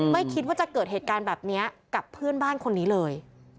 ไม่คิดว่าจะเกิดเหตุการณ์แบบนี้กับเพื่อนบ้านคนนี้เลย